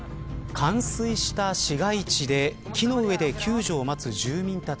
冠水した市街地で木の上で救助を待つ住民たち。